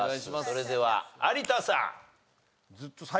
それでは有田さん。